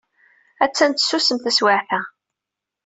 Ha-tt-an tsusem taswiɛt-a.